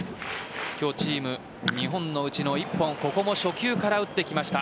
今日、チーム２本のうちの１本ここも初球から打っていきました。